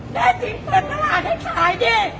แม่สิ่งเปิดตลาดให้ขายดิ